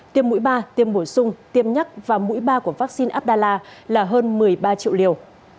tiêm mũi ba tiêm bổ sung tiêm nhắc và mũi ba của vaccine abdallah là hơn một mươi ba triệu liều